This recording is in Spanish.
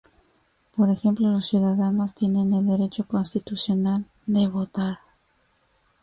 Por ejemplo, los ciudadanos tienen el derecho constitucional de votar.